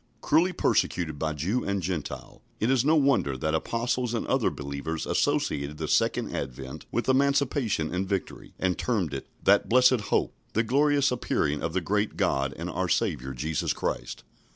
Cruelly persecuted by Jew and Gentile, it is no wonder that Apostles and other believers associated the second advent with emancipation and victory, and termed it "That blessed hope, the glorious appearing of the great God and our Saviour Jesus Christ."